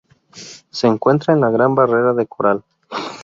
Se encuentra en la Gran Barrera de Coral.